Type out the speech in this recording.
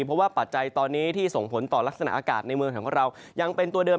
เพราะว่าปัจจัยตอนนี้ที่ส่งผลต่อลักษณะอากาศในเมืองของเรายังเป็นตัวเดิม